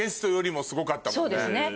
そうですね。